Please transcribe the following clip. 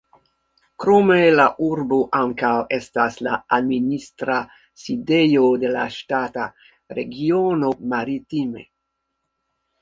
Krome la urbo ankaŭ estas la administra sidejo de la ŝtata regiono "Maritime".